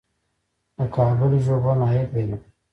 د کابل ژوبڼ عاید لري